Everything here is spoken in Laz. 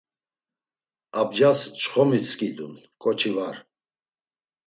Abjas çxomi skidun, ǩoçi var.